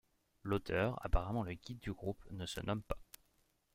L'auteur, apparemment le guide du groupe, ne se nomme pas.